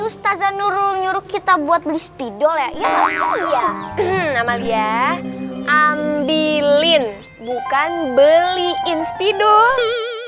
ustazah nurul nyuruh kita buat beli sepidol ya iya sama dia amalia ambilin bukan beliin sepidol